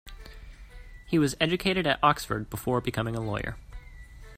He was educated at Oxford before becoming a lawyer.